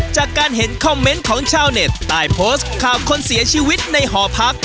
จากการเห็นคอมเมนต์ของชาวเน็ตใต้โพสต์ข่าวคนเสียชีวิตในหอพัก